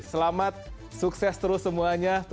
selamat sukses terus semuanya